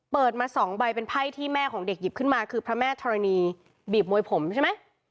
เปิดมาสองใบเป็นไพ่ที่แม่ของเด็กหยิบขึ้นมาคือพระแม่ธรณีบีบมวยผมใช่ไหม